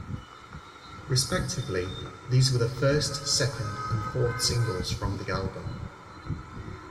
Respectively, these were the first, second, and fourth singles from the album.